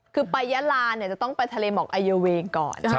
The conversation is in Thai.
คือไปยะลาเนี่ยจะต้องไปทะเลหมอกอายเวงก่อน